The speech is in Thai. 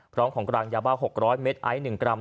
พร้อมของกรางยาบ้า๖๐๐เมตรไอ้๑กรัม